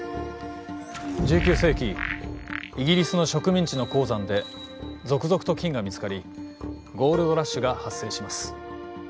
１９世紀イギリスの植民地の鉱山で続々と金が見つかりゴールドラッシュが発生します。